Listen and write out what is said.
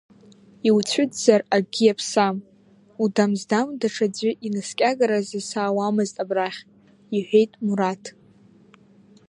Иуцәызӡар акгьы иаԥсам, удам здам даҽаӡәы инаскьагаразы саауамызт абрахь, — иҳәеит Мураҭ.